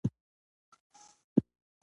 اوبه پکې بهیږي.